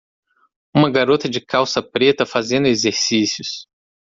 Uma garota de calça preta fazendo exercícios.